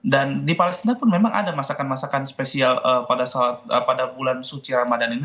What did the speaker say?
dan di palestina pun memang ada masakan masakan spesial pada bulan suci ramadhan ini